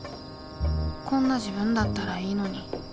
こんな自分だったらいいのに。